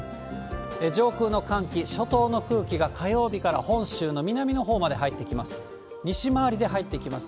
上空の寒気、初冬の空気が火曜日から本州の南のほうまで入ってきます。